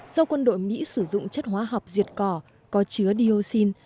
do quân đội mỹ sử dụng chất hóa học diệt cỏ có chứa dioxin